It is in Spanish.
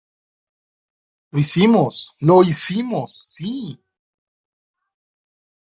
¡ Lo hicimos! ¡ lo hicimos! ¡ sí!